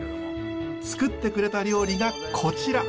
つくってくれた料理がこちら。